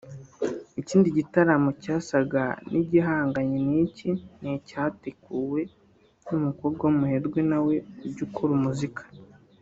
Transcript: ikindi gitaramo cyasaga n’igihanganye n’iki ni icyateguwe n’umukobwa w’umuherwe nawe ujya ukora muzika